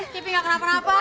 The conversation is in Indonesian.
cepi gak kena perapa perapa